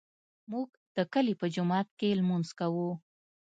موږ د کلي په جومات کې لمونځ کوو